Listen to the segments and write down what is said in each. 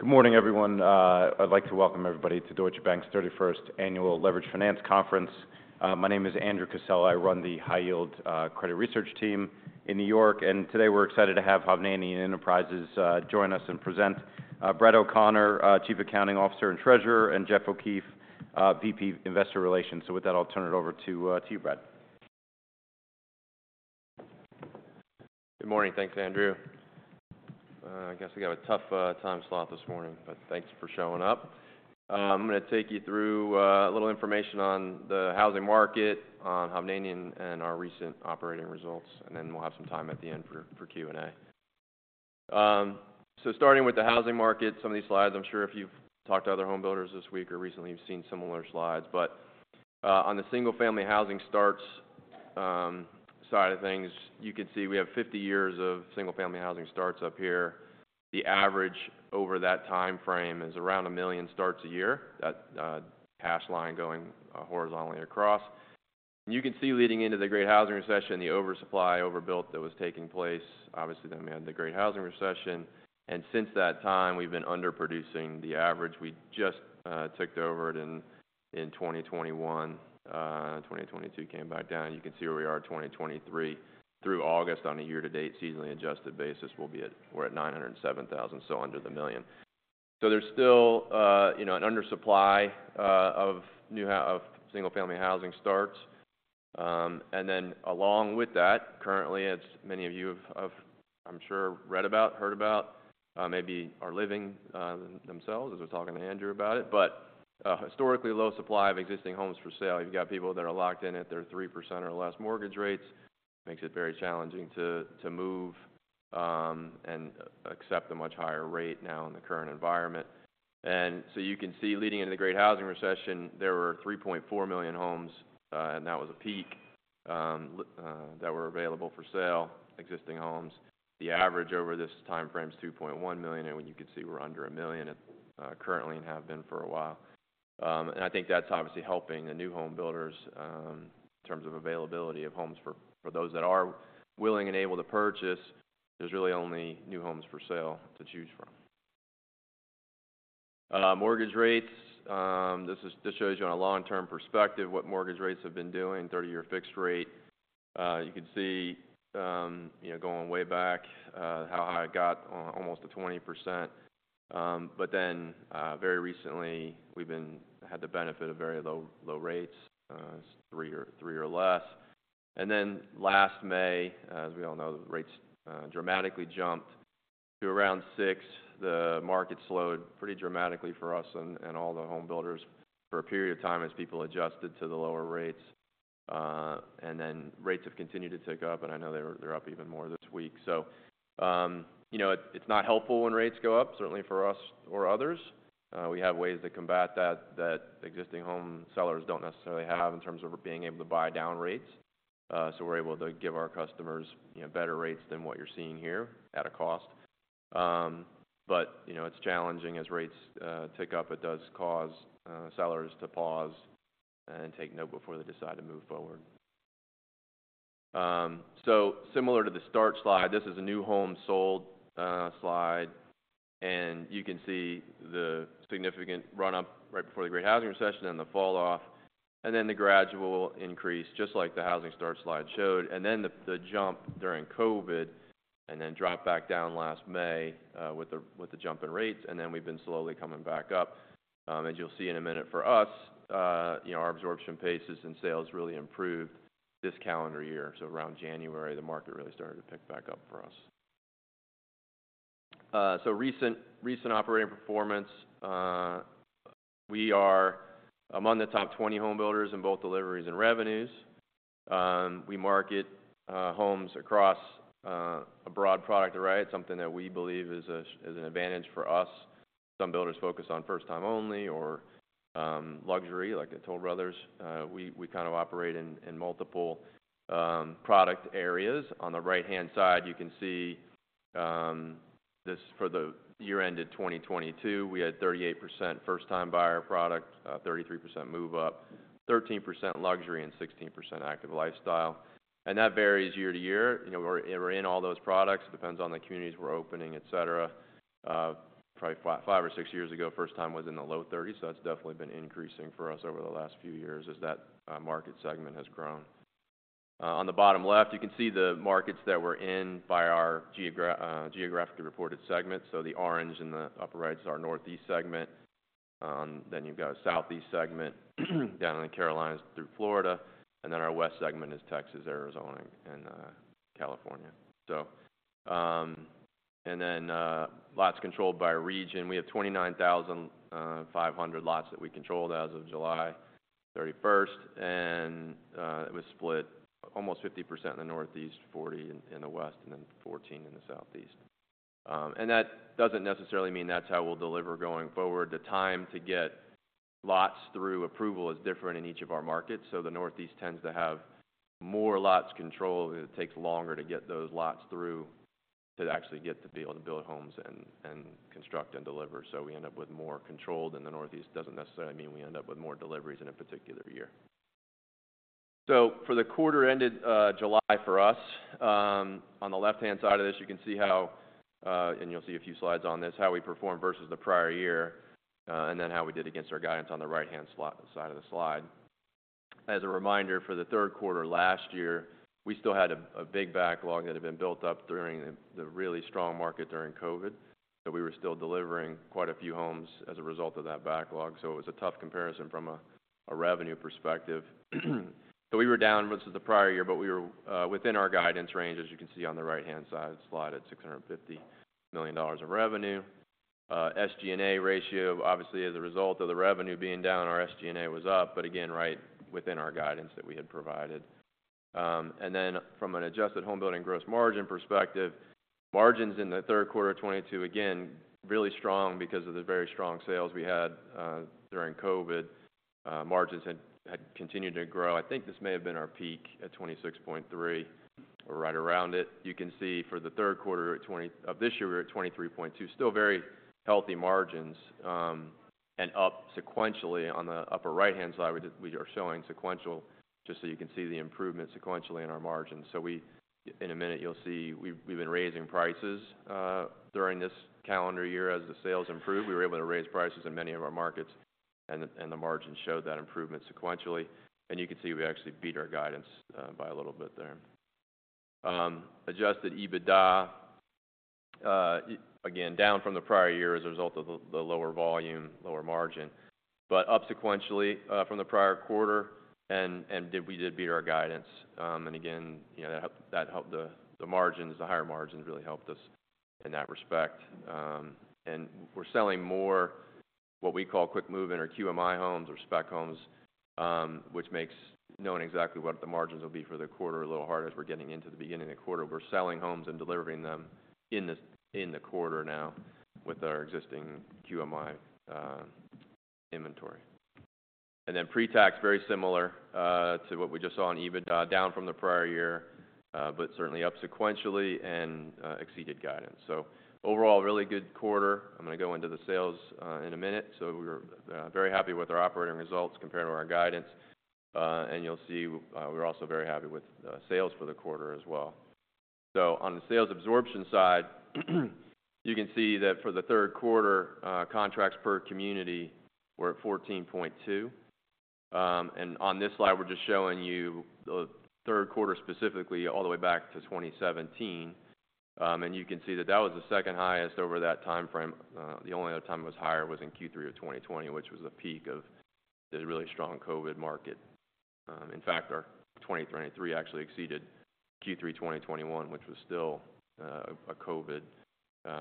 Good morning, everyone. I'd like to welcome everybody to Deutsche Bank's 31st Annual Leveraged Finance Conference. My name is Andrew Casella. I run the high-yield credit research team in New York, and today we're excited to have Hovnanian Enterprises join us and present Brad O'Connor, Chief Accounting Officer and Treasurer, and Jeff O'Keefe, VP Investor Relations. So with that, I'll turn it over to to you, Brad. Good morning. Thanks, Andrew. I guess we got a tough time slot this morning, but thanks for showing up. I'm going to take you through a little information on the housing market, on Hovnanian, and our recent operating results, and then we'll have some time at the end for Q&A. So starting with the housing market, some of these slides, I'm sure if you've talked to other homebuilders this week or recently, you've seen similar slides, but on the single-family housing starts side of things, you can see we have 50 years of single-family housing starts up here. The average over that time frame is around 1 million starts a year, that hash line going horizontally across. You can see leading into the Great Housing Recession, the oversupply, overbuilt that was taking place, obviously, then we had the Great Housing Recession, and since that time, we've been underproducing the average. We just ticked over it in 2021. 2022 came back down. You can see where we are, 2023, through August on a year-to-date seasonally adjusted basis, we'll be at- we're at 907,000, so under the 1 million. So there's still, you know, an undersupply of single-family housing starts. And then along with that, currently, as many of you have, I'm sure, read about, heard about, maybe are living themselves, as I was talking to Andrew about it, but historically low supply of existing homes for sale. You've got people that are locked in at their 3% or less mortgage rates. Makes it very challenging to move and accept a much higher rate now in the current environment. And so you can see, leading into the Great Housing Recession, there were 3.4 million homes, and that was a peak, that were available for sale, existing homes. The average over this time frame is 2.1 million, and when you can see, we're under 1 million currently and have been for a while. And I think that's obviously helping the new home builders in terms of availability of homes for those that are willing and able to purchase, there's really only new homes for sale to choose from. Mortgage rates, this shows you on a long-term perspective, what mortgage rates have been doing, 30-year fixed rate. You can see, you know, going way back, how high it got, almost to 20%. But then, very recently, we've had the benefit of very low, low rates, 3% or less. And then last May, as we all know, the rates dramatically jumped to around 6%. The market slowed pretty dramatically for us and all the home builders for a period of time as people adjusted to the lower rates. And then rates have continued to tick up, and I know they're up even more this week. So, you know, it's not helpful when rates go up, certainly for us or others. We have ways to combat that, that existing home sellers don't necessarily have in terms of being able to buy down rates. So we're able to give our customers, you know, better rates than what you're seeing here at a cost. But, you know, it's challenging as rates tick up, it does cause sellers to pause and take note before they decide to move forward. So similar to the start slide, this is a new home sold slide, and you can see the significant run-up right before the Great Housing Recession and the fall off, and then the gradual increase, just like the housing start slide showed, and then the jump during COVID, and then drop back down last May, with the jump in rates, and then we've been slowly coming back up. As you'll see in a minute, for us, you know, our absorption paces and sales really improved this calendar year. So around January, the market really started to pick back up for us. So recent operating performance, we are among the top 20 home builders in both deliveries and revenues. We market homes across a broad product array, something that we believe is an advantage for us. Some builders focus on first-time only or luxury, like the Toll Brothers. We kind of operate in multiple product areas. On the right-hand side, you can see this for the year ended 2022, we had 38% first-time buyer product, 33% move-up, 13% luxury, and 16% active lifestyle. And that varies year to year. You know, we're in all those products. It depends on the communities we're opening, et cetera. Probably five or six years ago, first time was in the low thirties, so that's definitely been increasing for us over the last few years as that market segment has grown. On the bottom left, you can see the markets that we're in by our geographically reported segments. So the orange in the upper right is our Northeast segment. Then you've got a Southeast segment down in the Carolinas through Florida, and then our West segment is Texas, Arizona, and California. So, and then, lots controlled by region. We have 29,500 lots that we controlled as of July 31st, and it was split almost 50% in the Northeast, 40% in the West, and then 14% in the Southeast. And that doesn't necessarily mean that's how we'll deliver going forward. The time to get lots through approval is different in each of our markets, so the Northeast tends to have more lots controlled, and it takes longer to get those lots through to actually get the deal to build homes and construct and deliver. So we end up with more controlled in the Northeast, doesn't necessarily mean we end up with more deliveries in a particular year. So for the quarter ended July for us, on the left-hand side of this, you can see how, and you'll see a few slides on this, how we performed versus the prior year, and then how we did against our guidance on the right-hand side of the slide. As a reminder, for the third quarter last year, we still had a big backlog that had been built up during the really strong market during COVID, so we were still delivering quite a few homes as a result of that backlog. So it was a tough comparison from a revenue perspective. So we were down versus the prior year, but we were within our guidance range, as you can see on the right-hand side slide, at $650 million of revenue. SG&A ratio, obviously, as a result of the revenue being down, our SG&A was up, but again, right within our guidance that we had provided. And then from an adjusted homebuilding gross margin perspective, margins in the third quarter of 2022, again, really strong because of the very strong sales we had during COVID. Margins had continued to grow. I think this may have been our peak at 26.3% or right around it. You can see for the third quarter of 2023 of this year, we're at 23.2%. Still very healthy margins, and up sequentially on the upper right-hand side, we are showing sequential, just so you can see the improvement sequentially in our margins. So we... In a minute, you'll see we've been raising prices during this calendar year. As the sales improved, we were able to raise prices in many of our markets, and the margins showed that improvement sequentially. And you can see we actually beat our guidance by a little bit there. Adjusted EBITDA, again, down from the prior year as a result of the lower volume, lower margin, but up sequentially from the prior quarter, and we did beat our guidance. And again, you know, that helped the margins, the higher margins really helped us in that respect. And we're selling more, what we call quick move-in or QMI homes or spec homes, which makes knowing exactly what the margins will be for the quarter a little hard as we're getting into the beginning of the quarter. We're selling homes and delivering them in the quarter now with our existing QMI inventory. And then pre-tax, very similar to what we just saw on EBITDA, down from the prior year, but certainly up sequentially and exceeded guidance. So overall, really good quarter. I'm going to go into the sales in a minute. So we're very happy with our operating results compared to our guidance, and you'll see, we're also very happy with the sales for the quarter as well. So on the sales absorption side, you can see that for the third quarter, contracts per community were at 14.2. And on this slide, we're just showing you the third quarter, specifically all the way back to 2017. And you can see that that was the second highest over that timeframe. The only other time it was higher was in Q3 of 2020, which was the peak of the really strong COVID market. In fact, our 2023 actually exceeded Q3 2021, which was still a COVID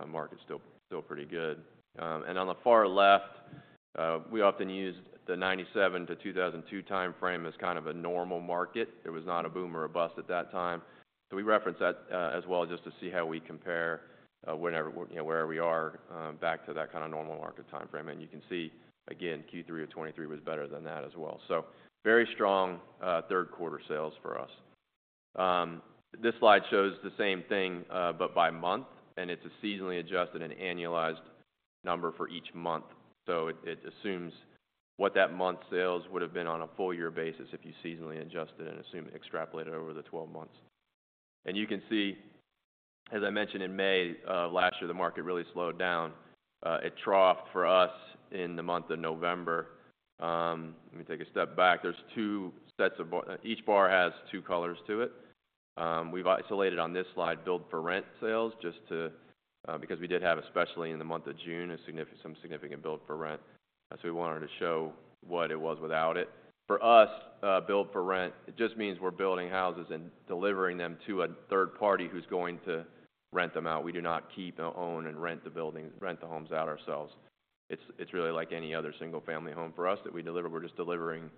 market, still pretty good. On the far left, we often use the 1997-2002 timeframe as kind of a normal market. It was not a boom or a bust at that time. We reference that, as well, just to see how we compare, whenever, you know, where we are, back to that kind of normal market timeframe. And you can see, again, Q3 of 2023 was better than that as well. Very strong, third quarter sales for us. This slide shows the same thing, but by month, and it's a seasonally adjusted and annualized number for each month. It, it assumes what that month's sales would have been on a full year basis if you seasonally adjusted and assume extrapolated over the 12 months. You can see, as I mentioned in May of last year, the market really slowed down. It troughed for us in the month of November. Let me take a step back. There's two sets of. Each bar has two colors to it. We've isolated on this slide, Build-For-Rent sales, just to, because we did have, especially in the month of June, some significant Build-For-Rent. So we wanted to show what it was without it. For us, Build-For-Rent, it just means we're building houses and delivering them to a third party who's going to rent them out. We do not keep, or own, and rent the buildings, rent the homes out ourselves. It's, it's really like any other single-family home for us that we deliver. We're just delivering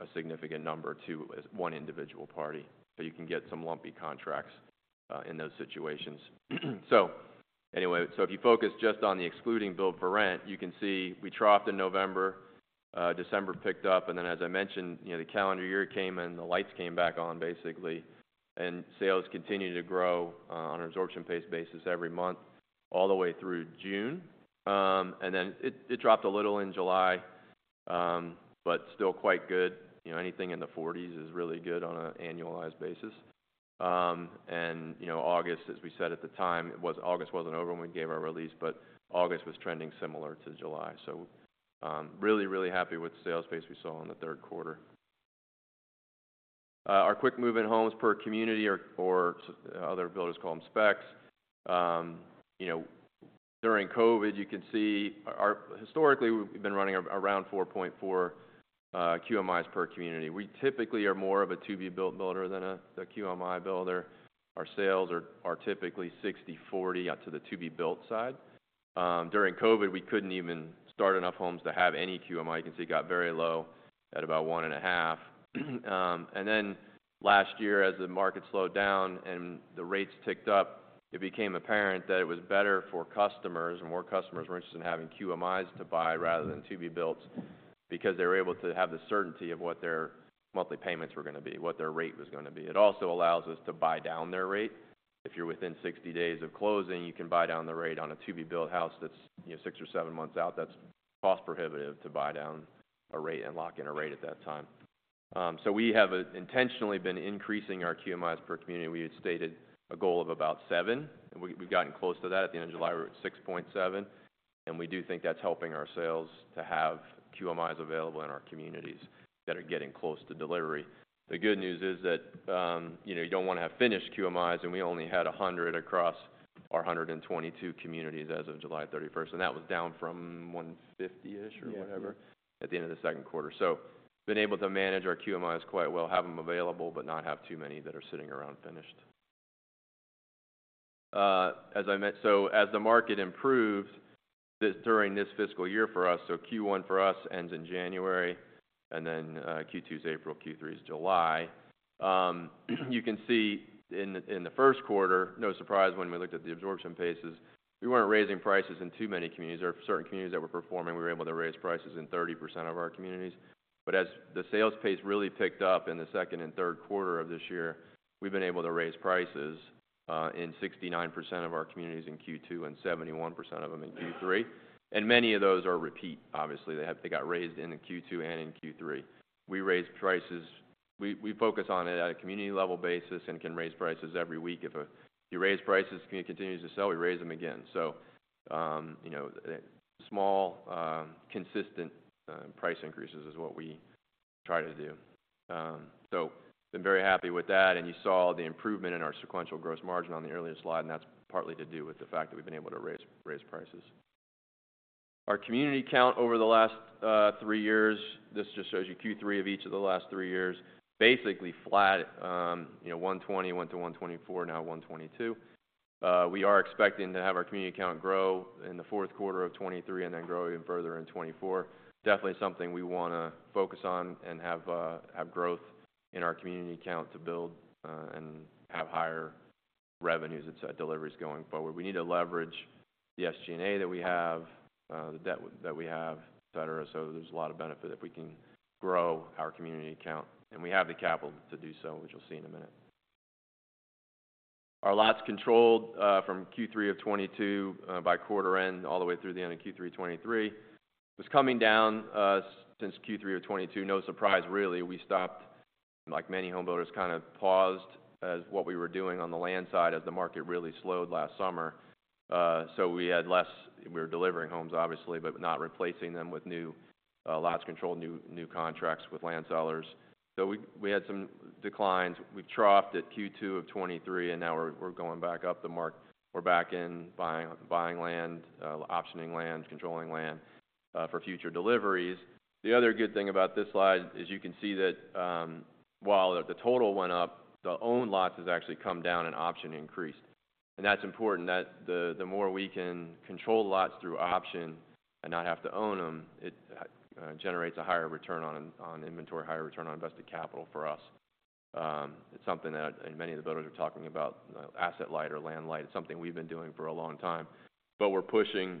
a significant number to one individual party, so you can get some lumpy contracts in those situations. So anyway, so if you focus just on the excluding Build-For-Rent, you can see we troughed in November, December picked up, and then, as I mentioned, you know, the calendar year came, and the lights came back on basically. And sales continued to grow on an absorption pace basis every month, all the way through June. And then it dropped a little in July, but still quite good. You know, anything in the forties is really good on an annualized basis. And you know, August, as we said at the time, was. August wasn't over when we gave our release, but August was trending similar to July. So, really, really happy with the sales pace we saw in the third quarter. Our quick move-in homes per community or other builders call them specs. You know, during COVID, you can see, historically, we've been running around 4.4 QMIs per community. We typically are more of a to-be-built builder than a QMI builder. Our sales are typically 60/40 out to the to-be-built side. During COVID, we couldn't even start enough homes to have any QMI. You can see it got very low at about 1.5. And then last year, as the market slowed down and the rates ticked up, it became apparent that it was better for customers, and more customers were interested in having QMIs to buy rather than to-be builds because they were able to have the certainty of what their monthly payments were going to be, what their rate was going to be. It also allows us to buy down their rate if you're within 60 days of closing, you can buy down the rate on a to-be-built house that's, you know, six or seven months out. That's cost prohibitive to buy down a rate and lock in a rate at that time. So we have intentionally been increasing our QMIs per community. We had stated a goal of about seven, and we've gotten close to that. At the end of July, we're at 6.7, and we do think that's helping our sales to have QMIs available in our communities that are getting close to delivery. The good news is that, you know, you don't want to have finished QMIs, and we only had 100 across our 122 communities as of July 31st, and that was down from 150-ish or whatever- Yeah. - at the end of the second quarter. So been able to manage our QMIs quite well, have them available, but not have too many that are sitting around finished. As I meant—so as the market improves, this, during this fiscal year for us, so Q1 for us ends in January, and then, Q2 is April, Q3 is July. You can see in the, in the first quarter, no surprise when we looked at the absorption paces, we weren't raising prices in too many communities, or certain communities that were performing, we were able to raise prices in 30% of our communities. But as the sales pace really picked up in the second and third quarter of this year, we've been able to raise prices in 69% of our communities in Q2 and 71% of them in Q3, and many of those are repeat. Obviously, they got raised in Q2 and in Q3. We raise prices. We focus on it at a community level basis and can raise prices every week. If you raise prices and it continues to sell, we raise them again. So, you know, small, consistent, price increases is what we try to do. So been very happy with that, and you saw the improvement in our sequential gross margin on the earlier slide, and that's partly to do with the fact that we've been able to raise prices. Our community count over the last three years, this just shows you Q3 of each of the last three years, basically flat. You know, 120 went to 124, now 122. We are expecting to have our community count grow in the fourth quarter of 2023, and then grow even further in 2024. Definitely something we want to focus on and have growth in our community count to build and have higher revenues and set deliveries going forward. We need to leverage the SG&A that we have, the debt that we have, et cetera. So there's a lot of benefit if we can grow our community count, and we have the capital to do so, which you'll see in a minute. Our lots controlled, from Q3 of 2022, by quarter end, all the way through the end of Q3 2023, was coming down, since Q3 of 2022. No surprise, really. We stopped, like many home builders, kind of paused as what we were doing on the land side as the market really slowed last summer. So we had less-- we were delivering homes, obviously, but not replacing them with new, lots controlled, new, new contracts with land sellers. So we, we had some declines. We troughed at Q2 of 2023, and now we're, we're going back up the mark. We're back in buying, buying land, optioning land, controlling land, for future deliveries. The other good thing about this slide is you can see that, while the total went up, the owned lots has actually come down and option increased. That's important, that the, the more we can control lots through option and not have to own them, it, generates a higher return on, on inventory, higher return on invested capital for us. It's something that, and many of the builders are talking about, asset light or land light. It's something we've been doing for a long time, but we're pushing,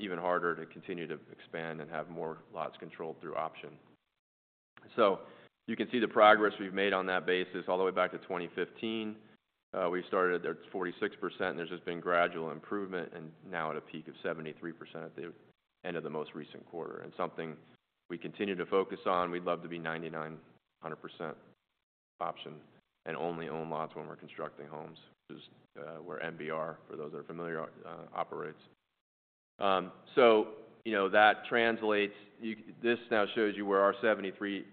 even harder to continue to expand and have more lots controlled through option. So you can see the progress we've made on that basis all the way back to 2015. We started at 46%, and there's just been gradual improvement, and now at a peak of 73% at the end of the most recent quarter. Something we continue to focus on, we'd love to be 99, 100% option and only own lots when we're constructing homes, which is where NVR, for those that are familiar, operates. So you know, that translates. This now shows you where our 73%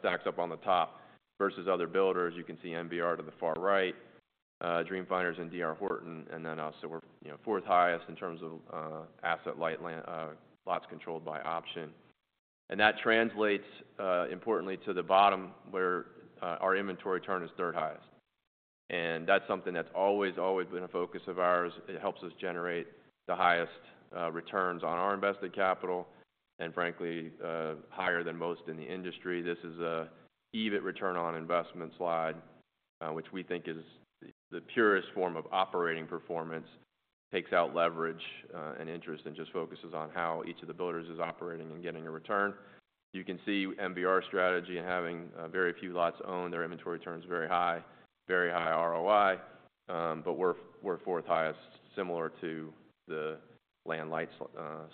stacks up on the top versus other builders. You can see NVR to the far right, Dream Finders and D.R. Horton, and then also we're, you know, fourth highest in terms of asset-light land lots controlled by option. And that translates, importantly to the bottom, where our inventory turn is third highest. And that's something that's always, always been a focus of ours. It helps us generate the highest returns on our invested capital, and frankly, higher than most in the industry. This is a EBIT return on investment slide, which we think is the purest form of operating performance, takes out leverage, and interest, and just focuses on how each of the builders is operating and getting a return. You can see NVR strategy and having very few lots owned, their inventory turn is very high, very high ROI, but we're fourth highest, similar to the land light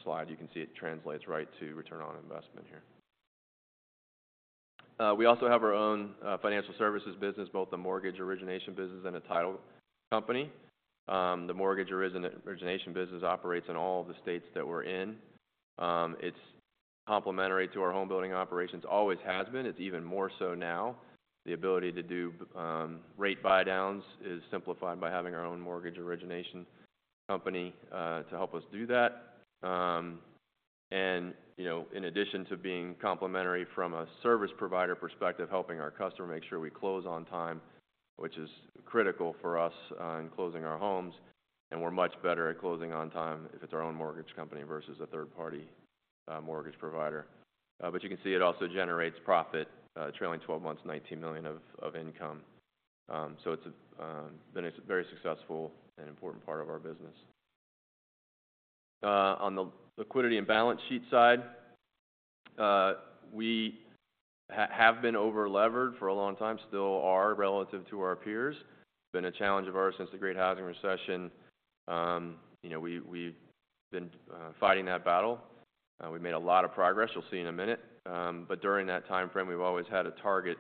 slide. You can see it translates right to return on investment here. We also have our own financial services business, both the mortgage origination business and a title company. The mortgage origination business operates in all the states that we're in. It's complementary to our home building operations, always has been. It's even more so now. The ability to do rate buydowns is simplified by having our own mortgage origination company to help us do that. And, you know, in addition to being complementary from a service provider perspective, helping our customer make sure we close on time, which is critical for us in closing our homes, and we're much better at closing on time if it's our own mortgage company versus a third-party mortgage provider. But you can see it also generates profit, trailing twelve months, $19 million of income. So it's been a very successful and important part of our business. On the liquidity and balance sheet side, we have been over-levered for a long time, still are relative to our peers. Been a challenge of ours since the Great Housing Recession. You know, we, we've been fighting that battle. We've made a lot of progress, you'll see in a minute. But during that time frame, we've always had a target,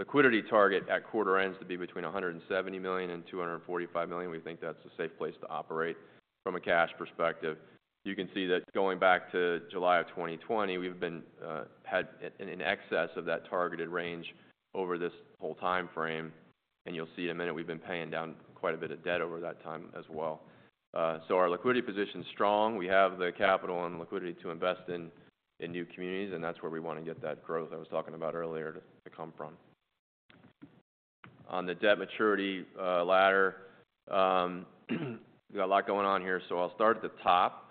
liquidity target at quarter ends to be between $170 million and $245 million. We think that's a safe place to operate from a cash perspective. You can see that going back to July of 2020, we've been in excess of that targeted range over this whole time frame, and you'll see in a minute, we've been paying down quite a bit of debt over that time as well. So our liquidity position is strong. We have the capital and liquidity to invest in new communities, and that's where we want to get that growth I was talking about earlier to come from. On the debt maturity ladder, we got a lot going on here, so I'll start at the top.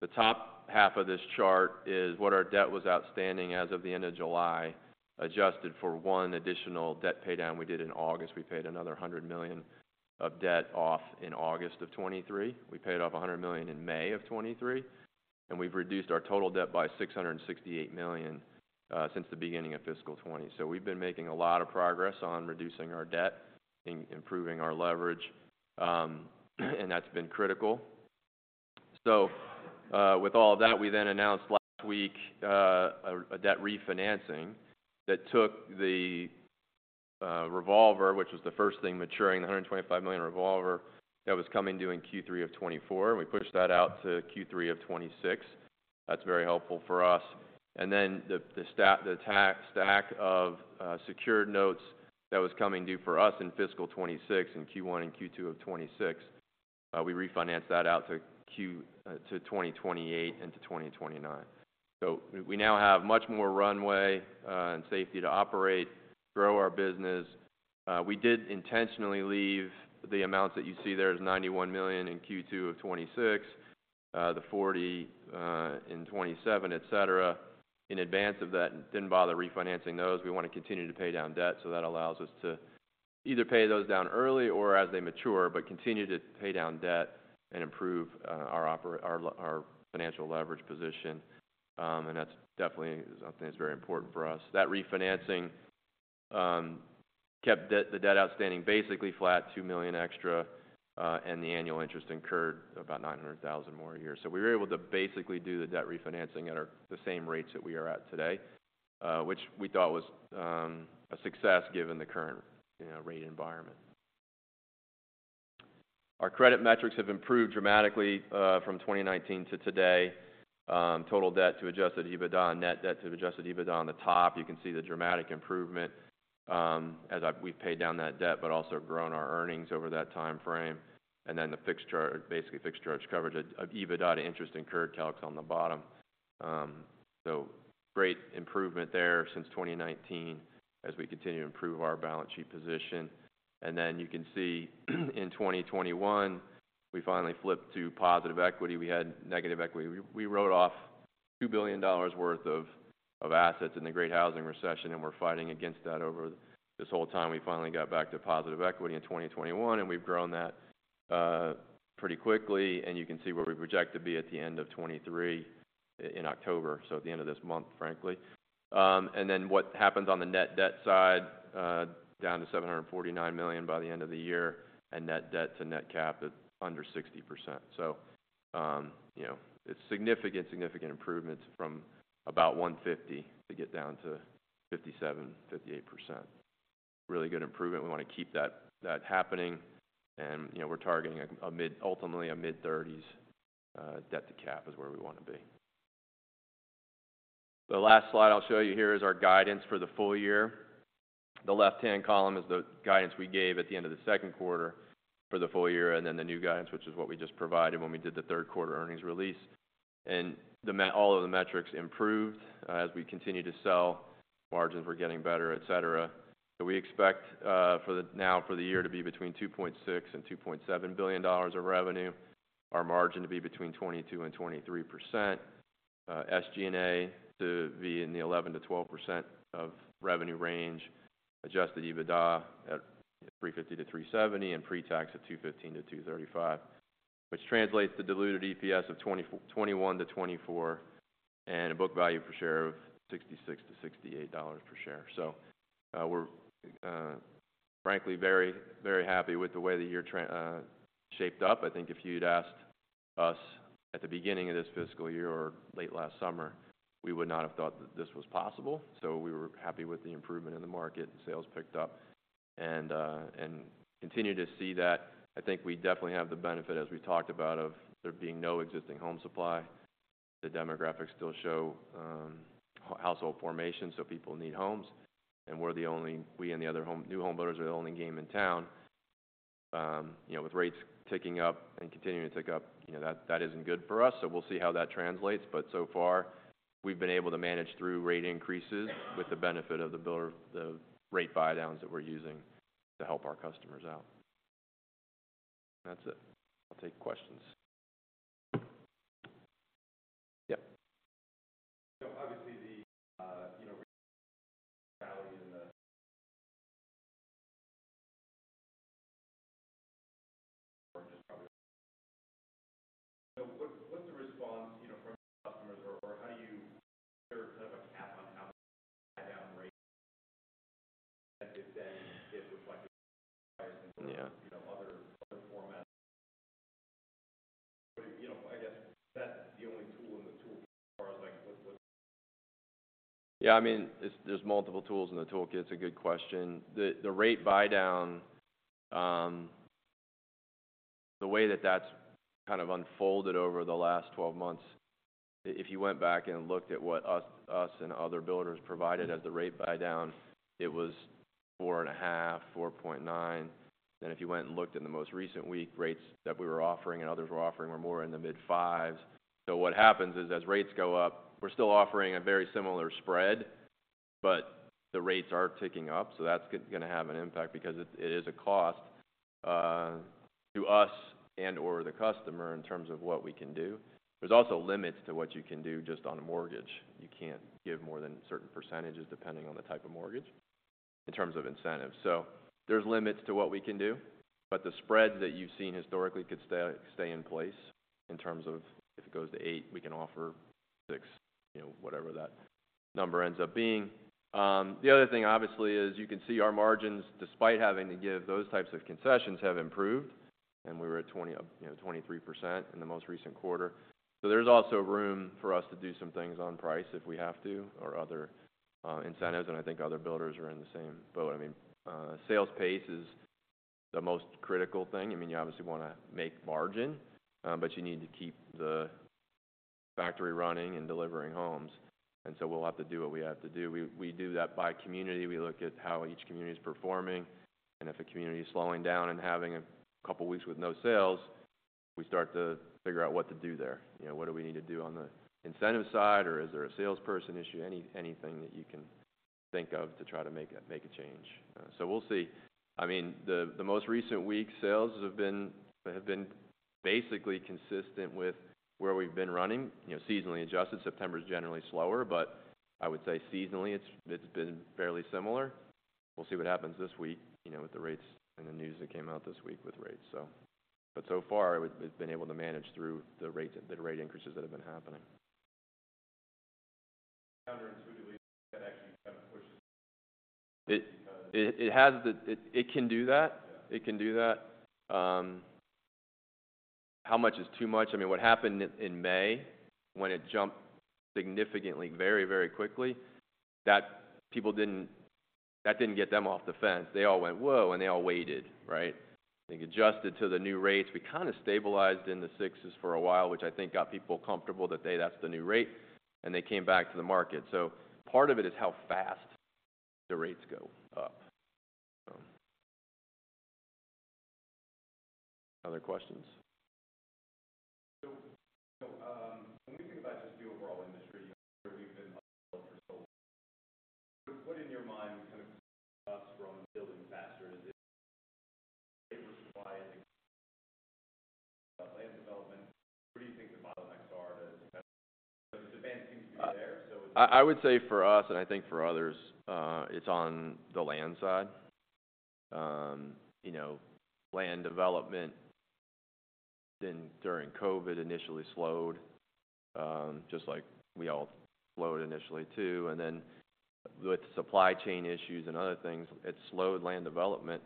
The top half of this chart is what our debt was outstanding as of the end of July, adjusted for one additional debt paydown we did in August. We paid another $100 million of debt off in August 2023. We paid off $100 million in May 2023, and we've reduced our total debt by $668 million since the beginning of fiscal 2020. So we've been making a lot of progress on reducing our debt and improving our leverage, and that's been critical. So, with all that, we then announced last week a debt refinancing that took the revolver, which was the first thing maturing, the $125 million revolver that was coming due in Q3 of 2024. We pushed that out to Q3 of 2026. That's very helpful for us. And then the stack of secured notes that was coming due for us in fiscal 2026, in Q1 and Q2 of 2026, we refinanced that out to 2028 and to 2029. So we now have much more runway and safety to operate, grow our business. We did intentionally leave the amounts that you see there as $91 million in Q2 of 2026, the $40 million in 2027, etc. In advance of that, didn't bother refinancing those. We want to continue to pay down debt, so that allows us to either pay those down early or as they mature, but continue to pay down debt and improve our financial leverage position. And that's definitely, I think, it's very important for us. That refinancing kept debt, the debt outstanding, basically flat, $2 million extra, and the annual interest incurred about $900,000 more a year. So we were able to basically do the debt refinancing at the same rates that we are at today, which we thought was a success, given the current, you know, rate environment. Our credit metrics have improved dramatically from 2019 to today. Total debt to Adjusted EBITDA and net debt to Adjusted EBITDA on the top, you can see the dramatic improvement, as we've paid down that debt, but also grown our earnings over that time frame. Then the fixed charge, basically, Fixed Charge Coverage of EBITDA to interest incurred calc on the bottom. So great improvement there since 2019 as we continue to improve our balance sheet position. Then you can see, in 2021, we finally flipped to positive equity. We had negative equity. We wrote off $2 billion worth of assets in the Great Housing Recession, and we're fighting against that over this whole time. We finally got back to positive equity in 2021, and we've grown that pretty quickly, and you can see where we project to be at the end of 2023, in October, so at the end of this month, frankly. And then what happens on the net debt side, down to $749 million by the end of the year, and net debt to net cap at under 60%. So, you know, it's significant, significant improvements from about 150% to get down to 57%-58%. Really good improvement. We want to keep that, that happening, and, you know, we're targeting a mid- ultimately, a mid-30s debt to cap is where we want to be. The last slide I'll show you here is our guidance for the full year. The left-hand column is the guidance we gave at the end of the second quarter for the full year, and then the new guidance, which is what we just provided when we did the third quarter earnings release. The metrics improved as we continued to sell, margins were getting better, et cetera. So we expect, for the year to be between $2.6 billion and $2.7 billion of revenue, our margin to be between 22% and 23%, SG&A to be in the 11%-12% of revenue range, adjusted EBITDA at $350-$370, and pre-tax at $215-$235, which translates to diluted EPS of $21-$24, and a book value per share of $66-$68 per share. So, we're frankly, very, very happy with the way the year shaped up. I think if you'd asked us at the beginning of this fiscal year or late last summer, we would not have thought that this was possible. So we were happy with the improvement in the market, and sales picked up and continue to see that. I think we definitely have the benefit, as we talked about, of there being no existing home supply. The demographics still show household formation, so people need homes, and we're the only, we and the other home, new home builders are the only game in town. You know, with rates ticking up and continuing to tick up, you know, that isn't good for us, so we'll see how that translates. But so far, we've been able to manage through rate increases with the benefit of the builder, the rate buydowns that we're using to help our customers out. That's it. I'll take questions. Yep. So obviously, the or just probably. So what's the response, you know, from customers, or how do you sort of have a cap on how rate than it reflected? Yeah. You know, other formats. You know, I guess, is that the only tool in the toolkit, as far as like, what? Yeah, I mean, there are multiple tools in the toolkit. It's a good question. The rate buydown, the way that that's kind of unfolded over the last 12 months, if you went back and looked at what we and other builders provided as the rate buydown, it was 4.5, 4.9. Then if you went and looked at the most recent week, rates that we were offering and others were offering were more in the mid 5s. So what happens is, as rates go up, we're still offering a very similar spread, but the rates are ticking up, so that's gonna have an impact because it is a cost to us and/or the customer in terms of what we can do. There's also limits to what you can do just on a mortgage. You can't give more than certain percentages, depending on the type of mortgage, in terms of incentives. So there's limits to what we can do, but the spreads that you've seen historically could stay in place in terms of if it goes to eight, we can offer six, you know, whatever that number ends up being. The other thing, obviously, is you can see our margins, despite having to give those types of concessions, have improved, and we were at 20%, you know, 23% in the most recent quarter. So there's also room for us to do some things on price if we have to, or other incentives, and I think other builders are in the same boat. I mean, sales pace is the most critical thing. I mean, you obviously wanna make margin, but you need to keep the factory running and delivering homes, and so we'll have to do what we have to do. We do that by community. We look at how each community is performing, and if a community is slowing down and having a couple weeks with no sales, we start to figure out what to do there. You know, what do we need to do on the incentive side, or is there a salesperson issue? Anything that you can think of to try to make a change. So we'll see. I mean, the most recent week, sales have been basically consistent with where we've been running. You know, seasonally adjusted, September is generally slower, but I would say seasonally, it's been fairly similar. We'll see what happens this week, you know, with the rates and the news that came out this week with rates, so... But so far, we've been able to manage through the rate increases that have been happening. Counterintuitively, that actually kind of pushes- It has the... It can do that. Yeah. It can do that. How much is too much? I mean, what happened in May when it jumped significantly, very, very quickly, that didn't get them off the fence. They all went, "Whoa," and they all waited, right? They adjusted to the new rates. We kind of stabilized in the sixes for a while, which I think got people comfortable, that that's the new rate, and they came back to the market. So part of it is how fast the rates go up. So... Other questions? So, when we think about just the overall industry, where we've been for so long, what, in your mind, kind of us growing, building faster? Is it supply, land development? What do you think the bottlenecks are to kind of... The demand seems to be there, so- I would say for us, and I think for others, it's on the land side. You know, land development during COVID initially slowed, just like we all slowed initially too, and then with supply chain issues and other things, it slowed land development.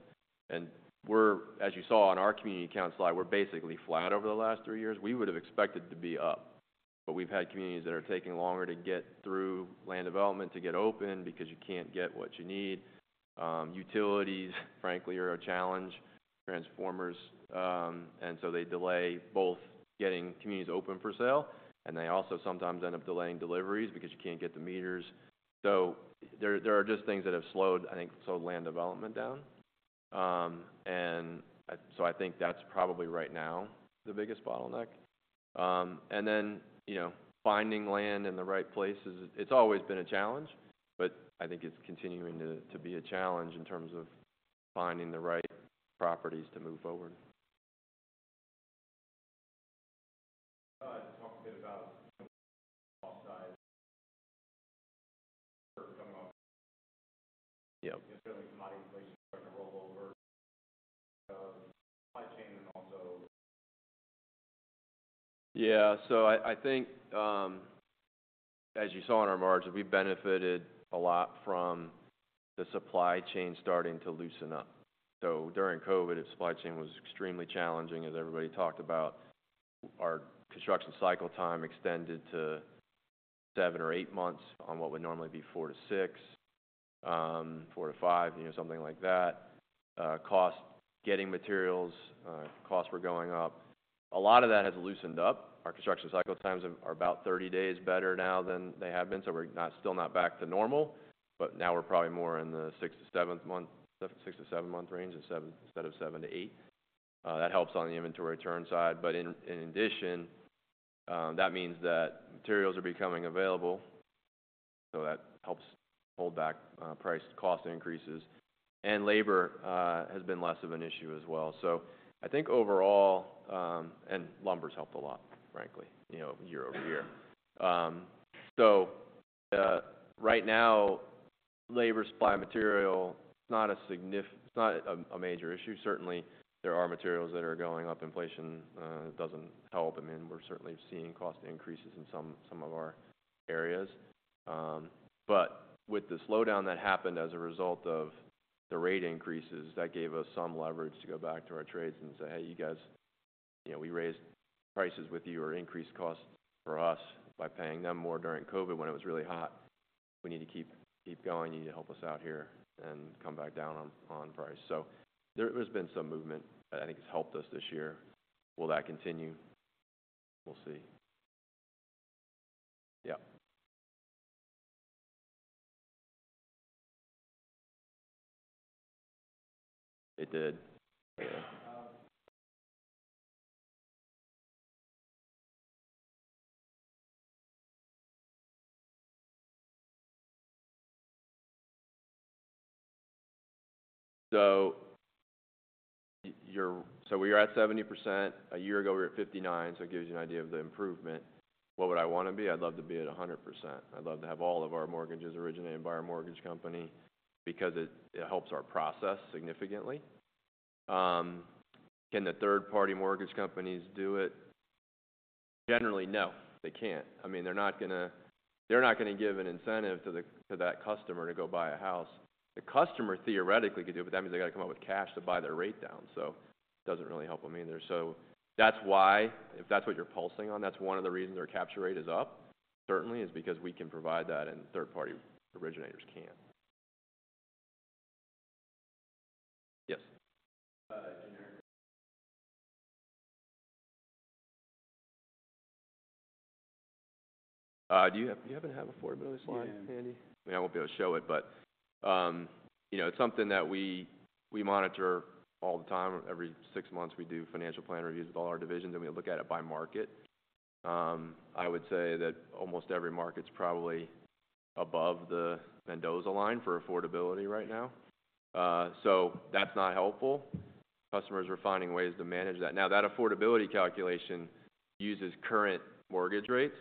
And we're, as you saw on our community count slide, we're basically flat over the last three years. We would have expected to be up, but we've had communities that are taking longer to get through land development to get open because you can't get what you need. Utilities, frankly, are a challenge. Transformers, and so they delay both getting communities open for sale, and they also sometimes end up delaying deliveries because you can't get the meters. So there are just things that have slowed, I think, slowed land development down. I think that's probably right now the biggest bottleneck. You know, finding land in the right places, it's always been a challenge, but I think it's continuing to be a challenge in terms of finding the right properties to move forward. Talk a bit about the offsite coming up. Yeah. Certainly, commodity prices are going to roll over, supply chain and also... Yeah. So I think, as you saw in our margins, we benefited a lot from the supply chain starting to loosen up. So during COVID, the supply chain was extremely challenging, as everybody talked about. Our construction cycle time extended to seven or eight months on what would normally be four to six, four to five, you know, something like that. Cost, getting materials, costs were going up. A lot of that has loosened up. Our construction cycle times are about 30 days better now than they have been, so we're still not back to normal, but now we're probably more in the six to seven month range, instead of seven to eight. That helps on the inventory turn side. But in addition, that means that materials are becoming available, so that helps hold back price cost increases. And labor has been less of an issue as well. So I think overall... And lumber's helped a lot, frankly, you know, year over year. So right now labor, supply, material, it's not a significant it's not a major issue. Certainly, there are materials that are going up. Inflation doesn't help. I mean, we're certainly seeing cost increases in some of our areas. But with the slowdown that happened as a result of the rate increases, that gave us some leverage to go back to our trades and say, "Hey, you guys, you know, we raised prices with you or increased costs for us by paying them more during COVID when it was really hot. We need to keep going. You need to help us out here and come back down on, on price." So there's been some movement that I think has helped us this year. Will that continue? We'll see. Yeah. It did. So we are at 70%. A year ago, we were at 59%, so it gives you an idea of the improvement. What would I wanna be? I'd love to be at 100%. I'd love to have all of our mortgages originated by our mortgage company because it, it helps our process significantly. Can the third-party mortgage companies do it? Generally, no, they can't. I mean, they're not gonna, they're not gonna give an incentive to the, to that customer to go buy a house. The customer theoretically could do it, but that means they've gotta come up with cash to buy their rate down, so doesn't really help them either. So that's why, if that's what you're pulsing on, that's one of the reasons our capture rate is up, certainly, is because we can provide that, and third-party originators can't. Yes? In our- Do you happen to have affordability slide handy? Yeah. I mean, I won't be able to show it, but, you know, it's something that we monitor all the time. Every six months, we do financial plan reviews with all our divisions, and we look at it by market. I would say that almost every market's probably above the Mendoza Line for affordability right now. So that's not helpful. Customers are finding ways to manage that. Now, that affordability calculation uses current mortgage rates,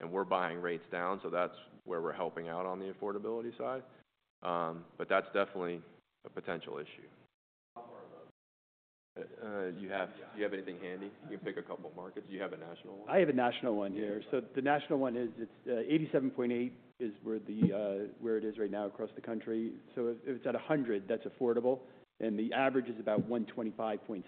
and we're buying rates down, so that's where we're helping out on the affordability side. But that's definitely a potential issue. How far above? Do you have, do you have anything handy? You can pick a couple markets. Do you have a national one? I have a national one here. Yeah. So the national one is, it's 87.8, where it is right now across the country. So if it's at 100, that's affordable, and the average is about 125.7.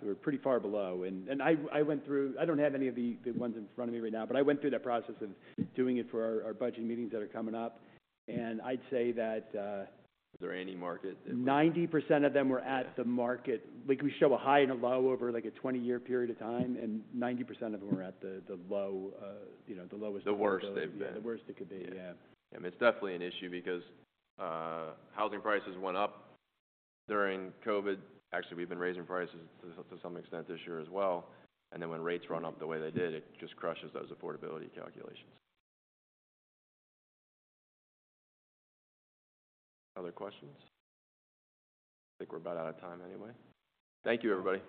So we're pretty far below. And I went through - I don't have any of the ones in front of me right now, but I went through that process of doing it for our budget meetings that are coming up, and I'd say that. Is there any market that- 90% of them were at the market. Like, we show a high and a low over, like, a 20-year period of time, and 90% of them are at the, the low, you know, the lowest- The worst they've been. The worst it could be, yeah. It's definitely an issue because housing prices went up during COVID. Actually, we've been raising prices to some, to some extent this year as well, and then when rates run up the way they did, it just crushes those affordability calculations. Other questions? I think we're about out of time anyway. Thank you, everybody.